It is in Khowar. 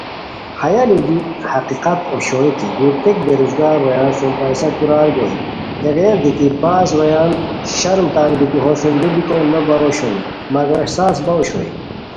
ہیہ لُو دی حقیقت اوشوئے کی دُورتیک بے روزگار رویان سُم پیسہ کورار گوئے، ہیغین دیتی بعض رویان شرم تان بیتی ہو سُم لُودیکو نو باؤ اوشونی مگم احساس باؤ اوشوئے